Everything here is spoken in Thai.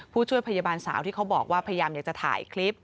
ผู้ช่วยพยาบาลสาวที่เขาบอกว่าพยายามอยากจะถ่ายคลิป